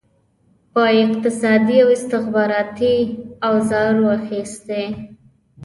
په اقتصادي او استخباراتي اوزارو اخیستي.